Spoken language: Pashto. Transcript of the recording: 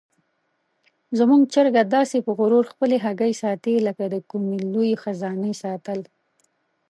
زموږ چرګه داسې په غرور خپلې هګۍ ساتي لکه د کومې لویې خزانې ساتل.